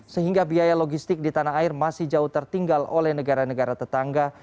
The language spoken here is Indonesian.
sehingga biaya logistik di tanah air masih jauh tertinggal oleh negara negara tetangga